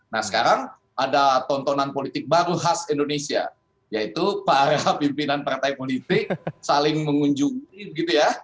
nah sekarang ada tontonan politik baru khas indonesia yaitu para pimpinan partai politik saling mengunjungi gitu ya